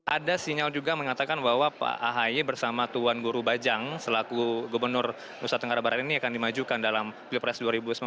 ada sinyal juga mengatakan bahwa pak ahy bersama tuan guru bajang selaku gubernur nusa tenggara barat ini akan dimajukan dalam pilpres dua ribu sembilan belas